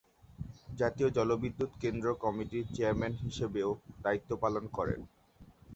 জাতীয় জলবিদ্যুৎ কেন্দ্র কমিটির চেয়ারম্যান হিসেবেও দায়িত্ব পালন করেন।